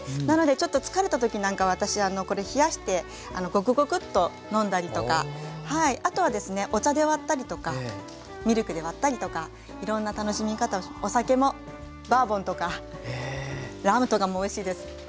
なのでちょっと疲れた時なんか私あのこれ冷やしてごくごくっと飲んだりとかあとはですねお茶で割ったりとかミルクで割ったりとかいろんな楽しみ方をお酒もバーボンとかラムとかもおいしいです。